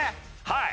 はい。